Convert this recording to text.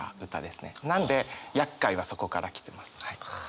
なんで「厄介」はそこから来てます。